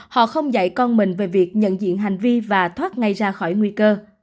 họ không dạy con mình về việc nhận diện hành vi và thoát ngay ra khỏi nguy cơ